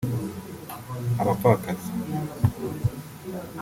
abapfakazi